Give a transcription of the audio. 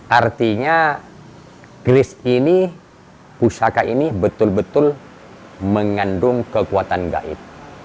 artinya kris ini pusaka ini betul betul mengandung kekuatan gaib